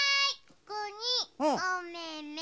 ここにおめめ。